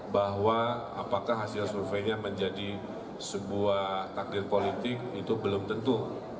bahwa apakah hasil surveinya menjadi sebuah takdir politik itu belum tentu